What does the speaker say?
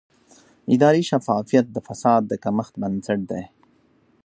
اداري شفافیت د فساد د کمښت بنسټ دی